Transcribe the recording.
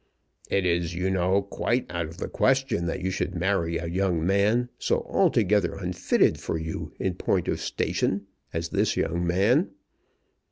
"It is, you know, quite out of the question that you should marry a young man so altogether unfitted for you in point of station as this young man."